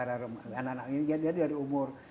anak anak ini jadi dari umur